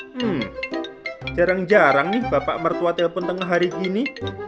hmm jarang jarang nih bapak mertua telepon tengah hari ini